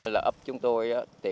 là ấp chúng tôi